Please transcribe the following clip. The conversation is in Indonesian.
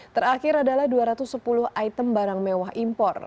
terakhir adalah dua ratus sepuluh item barang mewah impor